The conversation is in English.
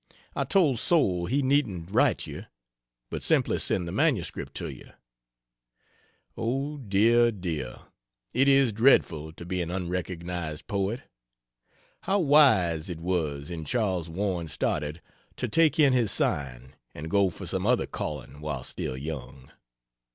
I told Soule he needn't write you, but simply send the MS. to you. O dear, dear, it is dreadful to be an unrecognized poet. How wise it was in Charles Warren Stoddard to take in his sign and go for some other calling while still young.